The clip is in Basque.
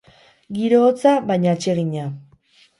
Giro hotza, baina atsegina.